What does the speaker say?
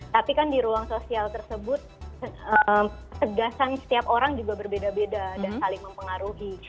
tapi kan di ruang sosial tersebut ketegasan setiap orang juga berbeda beda dan saling mempengaruhi